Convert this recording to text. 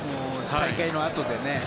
大会のあとでね。